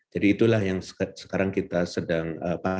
jadi itulah yang sekarang kita sedang pastikan